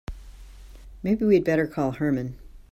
Maybe we'd better call Herman.